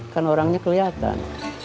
kan orangnya keliatan